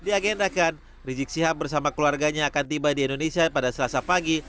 diagendakan rizik sihab bersama keluarganya akan tiba di indonesia pada selasa pagi